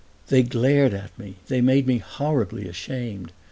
They glared at me, they made me horribly ashamed.